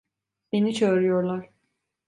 Beni çağırıyorlar.